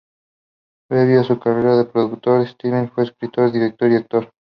Previo a su carrera de productor, Stevens fue escritor, director, y actor.